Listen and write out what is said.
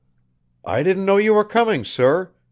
"I didn't know you were coming, sir.